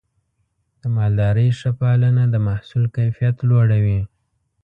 د مالدارۍ ښه پالنه د محصول کیفیت لوړوي.